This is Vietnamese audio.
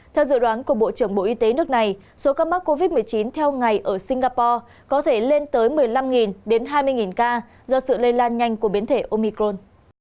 theo dự đoán của bộ trưởng bộ y tế nước này số ca mắc covid một mươi chín theo ngày ở singapore có thể lên tới một mươi năm đến hai mươi ca do sự lây lan nhanh của biến thể omicron